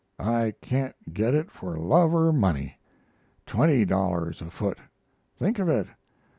I can't get it for love or money. Twenty dollars a foot! Think of it!